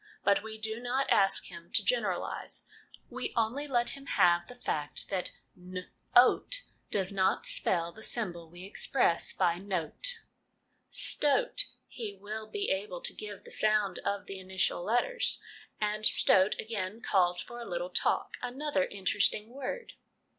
But we do not ask him to 220 HOME EDUCATION generalise ; we only let him have the fact that n oat does not spell the symbol we express by 'note/ 'Stoat' he will be able to give the sounds of the initial letters, and stoat again calls for a little talk another interesting word.